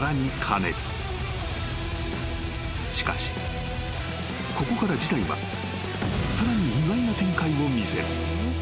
［しかしここから事態はさらに意外な展開を見せる］